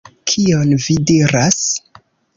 Kion vi diras?